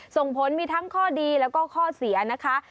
ส่งผลมีทั้งข้อดีแล้วก็ข้อเสียนะคะ